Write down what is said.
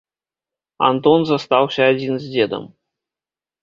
Антон застаўся адзін з дзедам.